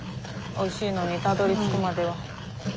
おいしいのにたどりつくまでは。